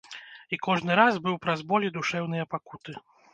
І кожны раз быў праз боль і душэўныя пакуты.